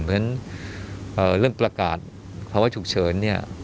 เพราะฉะนั้นเรื่องประกาศภาวะฝุกเฉิน